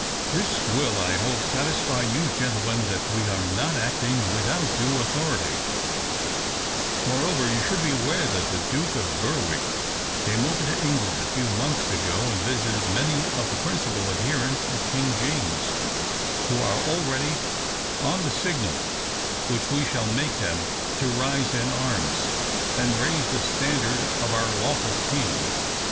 "This will, I hope, satisfy you, gentlemen, that we are not acting without due authority; moreover, you should be aware that the Duke of Berwick came over to England a few months ago, and visited many of the principal adherents of King James, who are all ready, on the signal which we shall make them, to rise in arms, and raise the standard of our lawful king.